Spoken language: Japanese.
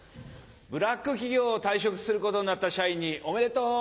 ブラック企業を退職することになった社員におめでとう！